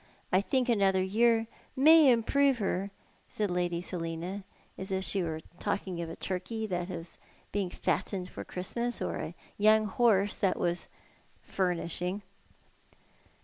I think another year may improve her." said Lady Selina, as if she were talking of a turkey that was being fattened for Christmas, or a young horse that was " furnishing."